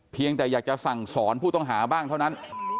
เพียงแต่อยากจะสั่งสอนผู้ต้องหาบ้างเท่านั้น